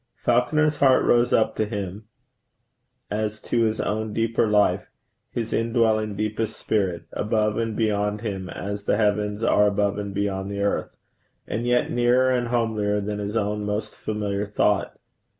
Falconer's heart rose up to him as to his own deeper life, his indwelling deepest spirit above and beyond him as the heavens are above and beyond the earth, and yet nearer and homelier than his own most familiar thought.